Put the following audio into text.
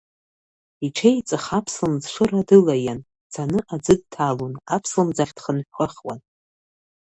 Иҽеиҵых аԥслымӡ шыра дылаиан, дцаны аӡы дҭалон, аԥслымӡ ахь дхынҳәыхуан.